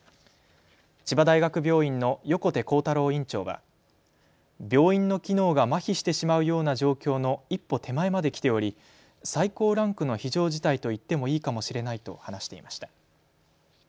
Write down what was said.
千葉大学病院の横手幸太郎院長は病院の機能がまひしてしまうような状況の一歩手前まで来ており最高ランクの非常事態と言ってもいいかもしれないと話していました。